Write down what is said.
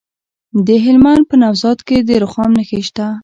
د هلمند په نوزاد کې د رخام نښې شته.